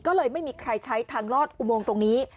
ก็เลยไม่มีใครใช้ทางลอดอุโมงตรงนี้